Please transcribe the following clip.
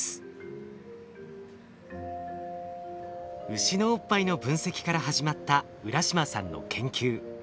ウシのおっぱいの分析から始まった浦島さんの研究。